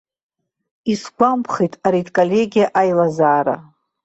Исгәамԥхеит аредколлегиа аилазаара.